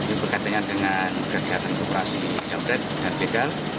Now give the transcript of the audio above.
ini berkaitannya dengan kegiatan operasi jambret dan pedal